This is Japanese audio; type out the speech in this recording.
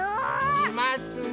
いますね。